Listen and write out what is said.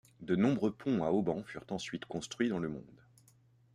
De nombreux ponts à haubans furent ensuite construits dans le monde.